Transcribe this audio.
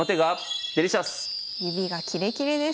指がキレキレです。